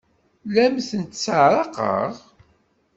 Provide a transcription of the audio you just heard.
La am-tent-sseɛraqeɣ?